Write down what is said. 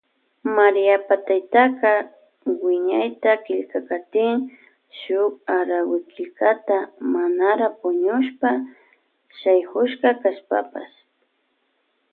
Maríapa taytaka wiñayta killkakatin shun arawikillkata manara puñushpa shayakushka kashpapash.